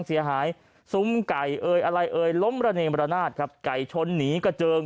เสียหายซุ้มไก่เอ่ยอะไรเอ่ยล้มระเนมระนาดครับไก่ชนหนีกระเจิง